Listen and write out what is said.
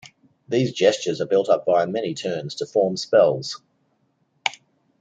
These gestures are built up via many turns to form spells.